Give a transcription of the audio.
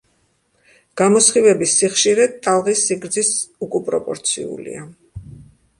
გამოსხივების სიხშირე ტალღის სიგრძის უკუპროპორციულია.